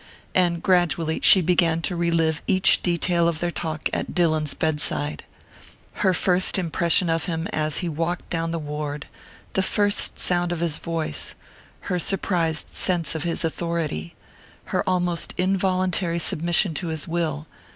And, gradually, she began to relive each detail of their talk at Dillon's bedside her first impression of him, as he walked down the ward; the first sound of his voice; her surprised sense of his authority; her almost involuntary submission to his will....